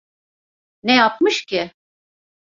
Ne yapmış ki?